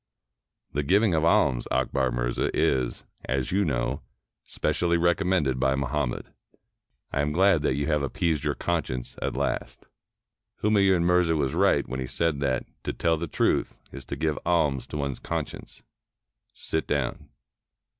"The giving of alms, Akbar Mirza, is, as you know, specially recommended by Muhammad. I am glad that you have appeased your conscience at last. Humayun Mirza was right when he said that ' to tell the truth is to give alms to one's conscience.' Sit down."